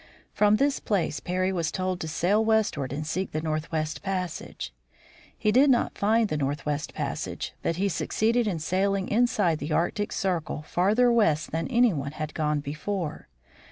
From this place Parry was told to sail westward and seek the northwest passage. He did not find the northwest passage, but he succeeded in sailing inside of the Arctic circle farther west than any one had gone before.